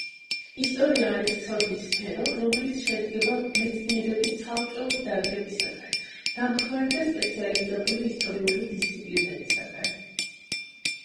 ისტორია არის ცოდნის სფერო, რომელიც შედგება მეცნიერების ცალკეული დარგებისაგან, დამხმარე და სპეციალიზებული ისტორიული დისციპლინებისაგან.